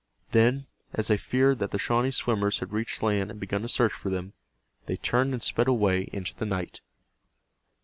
Then, as they feared that the Shawnee swimmers had reached land and begun to search for them, they turned and sped away into the night.